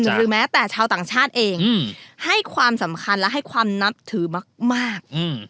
หรือแม้แต่ชาวต่างชาติเองให้ความสำคัญและให้ความนับถือมาก